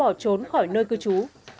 đối tượng đã bỏ trốn khỏi nơi cư trú